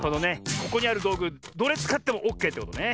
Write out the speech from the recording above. ここにあるどうぐどれつかってもオッケーってことね。